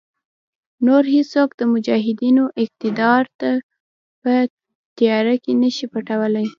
نور هېڅوک د مجاهدینو اقتدار په تیاره کې نشي پټولای.